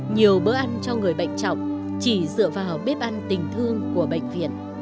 nhiều bữa ăn cho người bệnh trọng chỉ dựa vào bếp ăn tình thương của bệnh viện